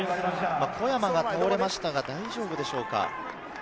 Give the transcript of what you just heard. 小山が倒れましたが大丈夫でしょうか？